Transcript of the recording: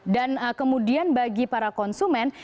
dan kemudian bagi para konsumen